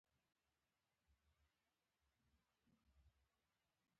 د ټرانزیټ رول څومره مهم دی؟